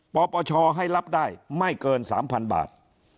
ปปชให้รับได้ไม่เกิน๓๐๐๐บาท